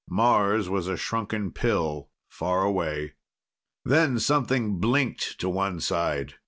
Mars was a shrunken pill far away. Then something blinked to one side.